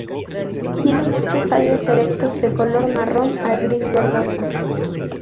Tiene muchos tallos erectos de color marrón a gris-verdoso.